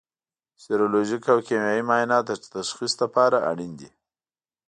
سیرولوژیک او کیمیاوي معاینات د تشخیص لپاره اړین دي.